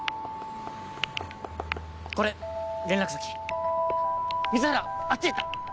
これ連絡先水原あっち行った！